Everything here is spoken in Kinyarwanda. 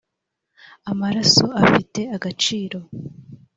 amaraso afite agaciro